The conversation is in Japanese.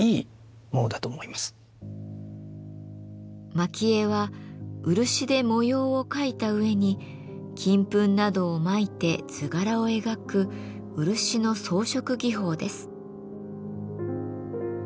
蒔絵は漆で模様を描いた上に金粉などを蒔いて図柄を描く漆の装飾技法です。